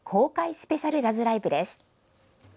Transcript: スペシャルジャズライブです。